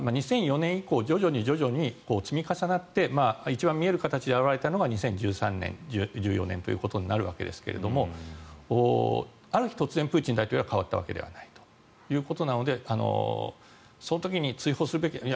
２００４年以降徐々に積み重なって一番見える形で表れたのが２０１３年、１４年ということになるわけですがある日、突然プーチン大統領が変わったわけではないということなのでその時に追放するべき